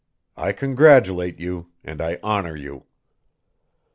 I congratulate you and I honor you."